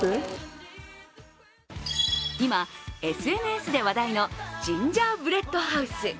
今、ＳＮＳで話題のジンジャーブレッドハウス。